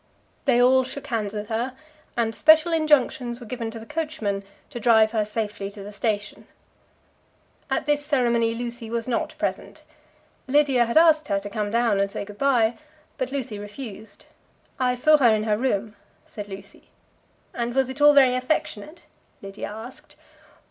They all shook hands with her, and special injunctions were given to the coachman to drive her safely to the station. At this ceremony Lucy was not present. Lydia had asked her to come down and say good bye; but Lucy refused. "I saw her in her own room," said Lucy. "And was it all very affectionate?" Lydia asked.